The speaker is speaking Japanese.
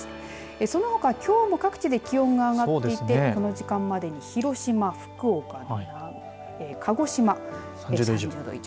そのほか、きょうも各地で気温が上がっていてこの時間までに広島、福岡鹿児島３０度以上。